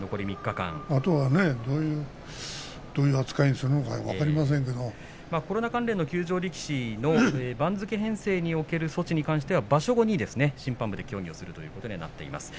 あとはどういう扱いにするのかコロナ関連での休場力士の番付編成における措置に関しては場所後に審判部で協議するということになっています。